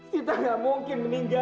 kita gak mungkin meninggal